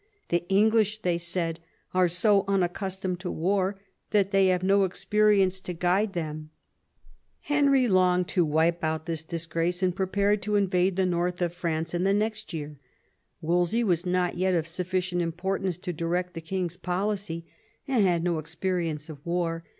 "The English," they said, "are so unaccustomed to war that they have no experience to guide them," Henry 24 . THOMAS WOLSEY chap. longed to wipe out this disgrace, and prepared to invade the north of France in the next year. Wolsey was not yet of sufficient importance to direct the king's policy, and had no experience of war.